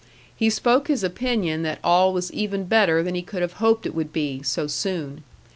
He spoke his opinion that all was even better than he could have hoped it would be, so soon.